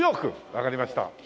わかりました。